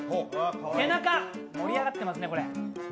背中盛り上がってますね。